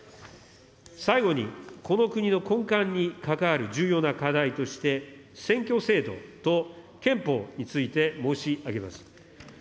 最後に、この国の根幹に関わる重要な課題として、選挙制度と憲法について申し上げます。